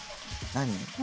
「何？」